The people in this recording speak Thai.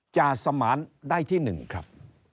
จ่าสมานได้ที่หนึ่งครับ